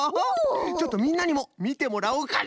ちょっとみんなにもみてもらおうかの！